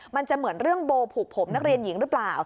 มันจะเหมือนเรื่องโบผูกผมนักเรียนหญิงหรือเปล่า